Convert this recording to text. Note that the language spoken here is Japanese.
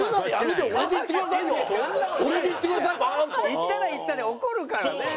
いったらいったで怒るからね。